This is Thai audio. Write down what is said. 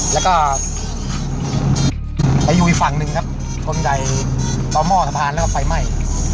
แล้วก็ไปอยู่อีกฝั่งหนึ่งครับชนใหญ่ต่อหม้อสะพานแล้วก็ไฟไหม้